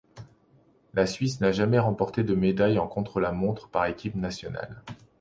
La Suisse n'a jamais remporté de médaille en contre-la-montre par équipes nationales.